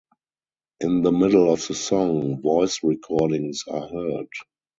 In the middle of the song, voice recordings are heard.